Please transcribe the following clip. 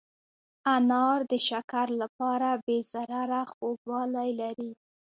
انار د شکر لپاره بې ضرره خوږوالی لري.